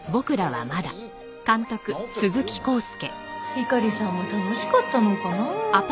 猪狩さんも楽しかったのかな？